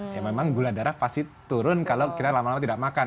ya memang gula darah pasti turun kalau kita lama lama tidak makan